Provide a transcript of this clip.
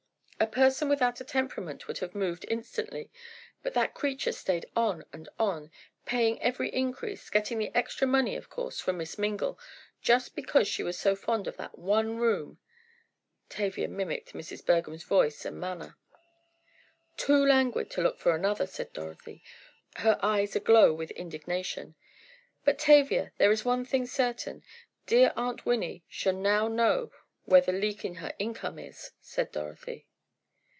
"A person without a temperament would have moved instantly, but that creature stayed on and on, paying every increase, getting the extra money of course from Miss Mingle, just because she was so fond of that one room!" Tavia mimicked Mrs. Bergham's voice and manner. "Too languid to look for another," said Dorothy, her eyes aglow with indignation. "But, Tavia, there is one thing certain. Dear Aunt Winnie shall now know where the leak in her income is," said Dorothy.